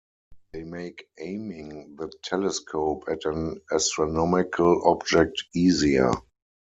They make aiming the telescope at an astronomical object easier.